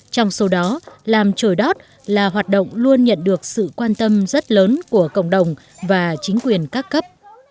trong số đó làm trồi đót là hoạt động luôn nhận được sự quan tâm rất lớn của cộng đồng và chính quyền các cấp